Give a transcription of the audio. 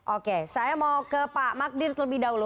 oke saya mau ke pak mbak diri terlebih dahulu